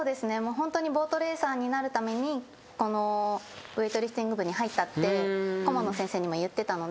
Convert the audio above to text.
ホントにボートレーサーになるためにウエイトリフティング部に入ったって顧問の先生にも言ってたので。